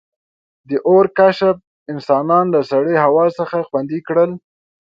• د اور کشف انسانان له سړې هوا څخه خوندي کړل.